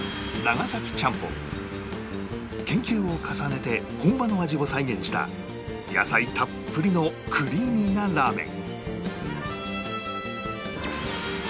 研究を重ねて本場の味を再現した野菜たっぷりのクリーミーなラーメン